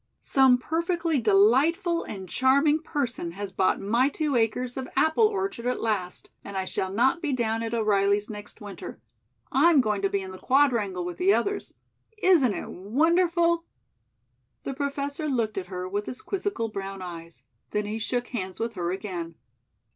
"Some perfectly delightful and charming person has bought my two acres of apple orchard at last, and I shall not be down at O'Reilly's next winter. I'm going to be in the Quadrangle with the others. Isn't it wonderful?" The Professor looked at her with his quizzical brown eyes; then he shook hands with her again.